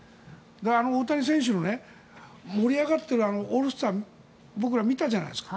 大谷選手の、盛り上がっているあのオールスター僕ら見たじゃないですか。